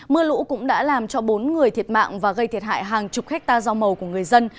mưa lũ cũng đã làm cho bốn người thiệt mạng và gây thiệt hại hàng chục hectare dao màu của người dân